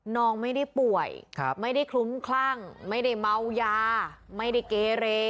น้องไม่ได้ป่วยไม่ได้คลุ้มคลั่งไม่ได้เมายาไม่ได้เกเร